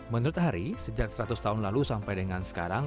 menurut hari sejak seratus tahun lalu sampai dengan sekarang